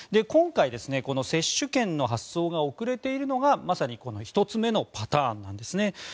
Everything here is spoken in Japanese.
今回、接種券の発送が遅れているのがまさにこの１つ目のパターンなんですね。